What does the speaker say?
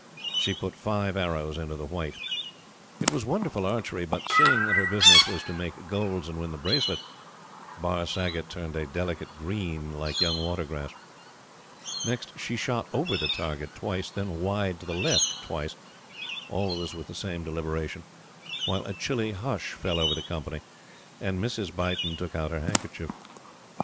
She put five arrows into the white. It was wonderful archery; but, seeing that her business was to make "golds" and win the bracelet, Barr Saggott turned a delicate green like young water grass. Next, she shot over the target twice, then wide to the left twice always with the same deliberation while a chilly hush fell over the company, and Mrs. Beighton took out her handkerchief.